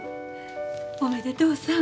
おめでとうさん。